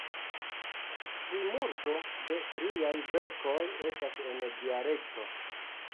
Plimulto de liaj verkoj estas en dialekto.